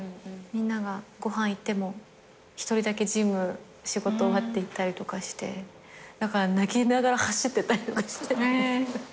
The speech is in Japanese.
みんながご飯行っても１人だけジム仕事終わって行ったりとかしてだから泣きながら走ってたりとかしてたんです。